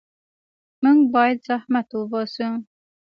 موږ باید زحمت وباسو.